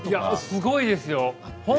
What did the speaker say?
すごいですよ。